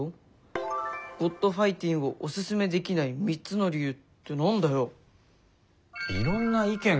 「『ｇｏｄファイティン』をおススメできない３つの理由」って何だよ。